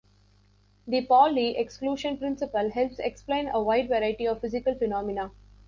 The Pauli exclusion principle helps explain a wide variety of physical phenomena.